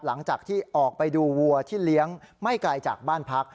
หลังจากที่ออกไปดูวัวที่เลี้ยงไม่ไกลจากบ้านพัก